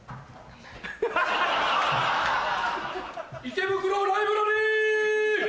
池袋ライブラリー！